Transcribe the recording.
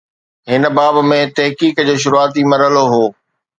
هن باب ۾ تحقيق جو شروعاتي مرحلو هو.